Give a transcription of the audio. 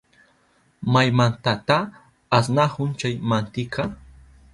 ¿Maymantata asnahun chay mantika?